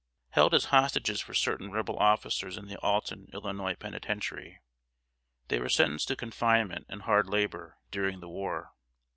Held as hostages for certain Rebel officers in the Alton, Illinois, penitentiary, they were sentenced to confinement and hard labor during the war.